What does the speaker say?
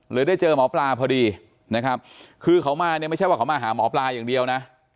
ได้เจอหมอปลาพอดีนะครับคือเขามาเนี่ยไม่ใช่ว่าเขามาหาหมอปลาอย่างเดียวนะ